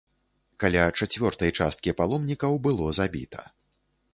Каля чацвёртай часткі паломнікаў было забіта.